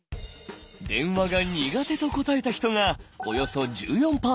「電話が苦手」と答えた人がおよそ１４％。